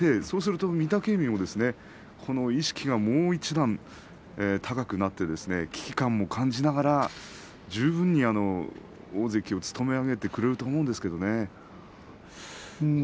そうすると御嶽海も意識がもう一段高くなって危機感を感じながら十分に大関を務め上げてくれると思うんですけれどもね。